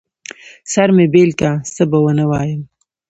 سر مې بېل که، څه به ونه وايم.